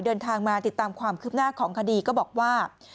เดินทางมาติดตามความคืบหน้าของคดีก็บอกว่า